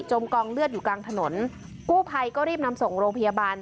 กองเลือดอยู่กลางถนนกู้ภัยก็รีบนำส่งโรงพยาบาล